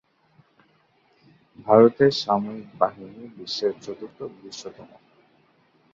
ভারতের সামরিক বাহিনী বিশ্বের চতুর্থ বৃহত্তম।